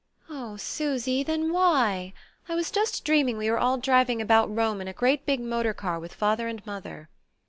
"Oh, Susy, then why ? I was just dreaming we were all driving about Rome in a great big motor car with father and mother!"